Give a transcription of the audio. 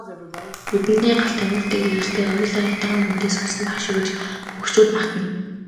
Нүдэндээ галтай нүүртээ гэрэлтэй аюулын аятайхан хүүтэй суусан байх шив гэж хөгшчүүд магтана.